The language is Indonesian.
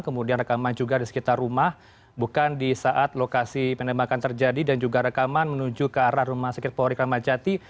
kemudian rekaman juga di sekitar rumah bukan di saat lokasi penembakan terjadi dan juga rekaman menuju ke arah rumah sakit polri kramacati